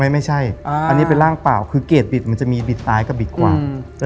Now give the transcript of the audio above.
ไม่ใช่อันนี้เป็นร่างเปล่าคือเกรดบิดมันจะมีบิดซ้ายกับบิดขวา